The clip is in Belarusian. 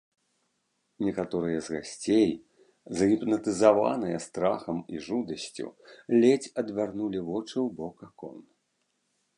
Некаторыя з гасцей, загіпнатызаваныя страхам і жудасцю, ледзь адвярнулі вочы ў бок акон.